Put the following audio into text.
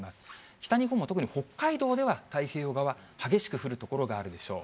北日本も特に北海道では太平洋側、激しく降る所があるでしょう。